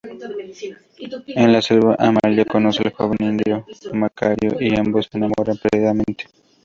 En la selva, Amalia conoce al joven indio Macario, y ambos se enamoran perdidamente.